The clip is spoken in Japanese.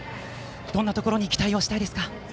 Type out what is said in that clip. どんなところに期待したいですか。